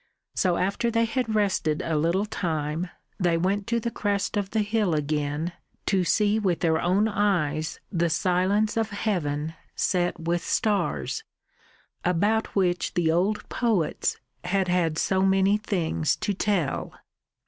So after they had rested a little time they went to the crest of the hill again to see with their own eyes the silence of heaven set with stars, about which the old poets had had so many things to tell.